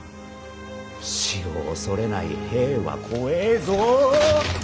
死を恐れない兵は怖えぞ。